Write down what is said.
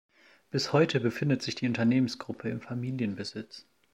Bis heute befindet sich die Unternehmensgruppe im Familienbesitz.